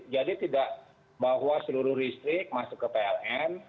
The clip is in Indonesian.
jadi tidak bahwa seluruh listrik masuk ke pln